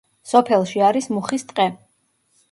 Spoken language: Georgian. სოფელში არის მუხის ტყე.